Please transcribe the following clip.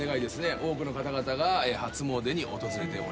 多くの方々が初詣に訪れております。